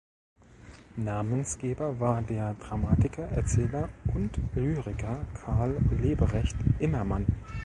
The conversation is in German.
Namensgeber war der Dramatiker, Erzähler und Lyriker Karl Leberecht Immermann.